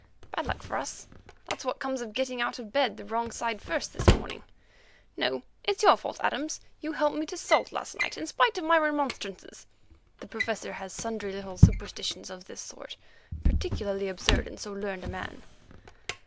"Bad luck for us! That's what comes of getting out of bed the wrong side first this morning. No, it's your fault, Adams; you helped me to salt last night, in spite of my remonstrances" (the Professor has sundry little superstitions of this sort, particularly absurd in so learned a man).